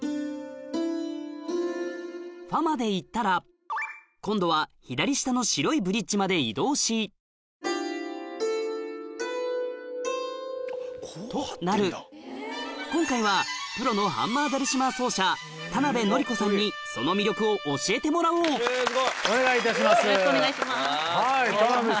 ファまで行ったら今度は左下の白いブリッジまで移動しとなる今回はプロのハンマーダルシマー奏者田辺紀子さんにそのお願いいたします。